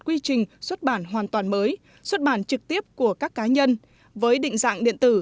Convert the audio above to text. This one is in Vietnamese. quy trình xuất bản hoàn toàn mới xuất bản trực tiếp của các cá nhân với định dạng điện tử